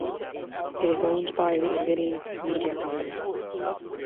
It is owned by the Illini Media Company.